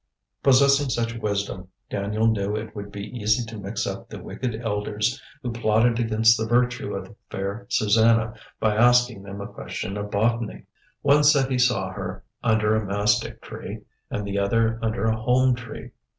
Possessing such wisdom, Daniel knew it would be easy to mix up the wicked elders who plotted against the virtue of the fair Susanna by asking them a question of botany. One said he saw her under a mastick tree and the other under a holm tree.